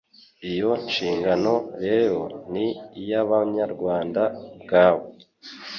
Iyo nshingano rero ni iy'Abanyarwanda ubwabo.